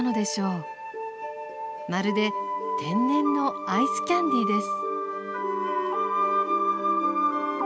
まるで天然のアイスキャンディーです。